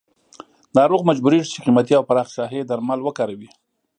ناروغ مجبوریږي چې قیمتي او پراخ ساحې درمل وکاروي.